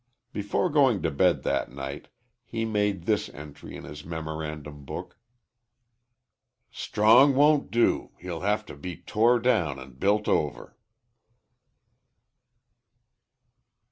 Before going to bed that night he made this entry in his memorandum book: _"Strong won't do he'll have to be tore down an' built over."